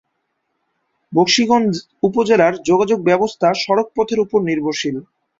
বকশীগঞ্জ উপজেলার যোগাযোগ ব্যবস্থা সড়ক পথের উপর নির্ভরশীল।